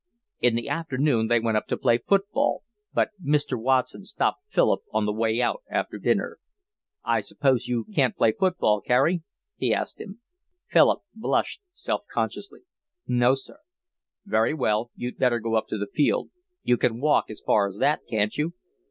In the afternoon they went up to play football, but Mr. Watson stopped Philip on the way out after dinner. "I suppose you can't play football, Carey?" he asked him. Philip blushed self consciously. "No, sir." "Very well. You'd better go up to the field. You can walk as far as that, can't you?"